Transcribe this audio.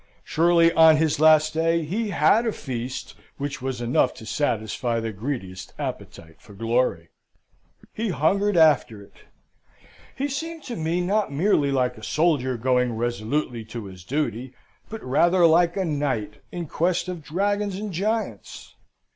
Surely on his last day he had a feast which was enough to satisfy the greediest appetite for glory. He hungered after it. He seemed to me not merely like a soldier going resolutely to do his duty, but rather like a knight in quest of dragons and giants.